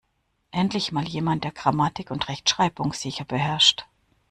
Endlich mal jemand, der Grammatik und Rechtschreibung sicher beherrscht!